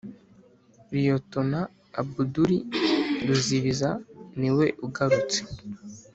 liyetona abuduli ruzibiza, ni we ugarutse,